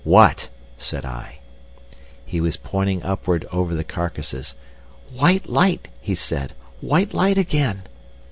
"What?" said I. He was pointing upward over the carcasses. "White light!" he said. "White light again!"